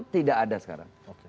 tidak ada sekarang